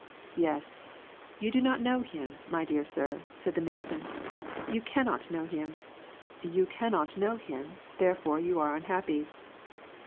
" Yes, you do not know Him, my dear sir," said the Mason. " You cannot know Him — you cannot know Him ; therefore, you are unhappy."